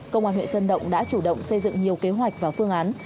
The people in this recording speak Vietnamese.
công an huyện sơn động đã chủ động xây dựng nhiều kế hoạch và phương án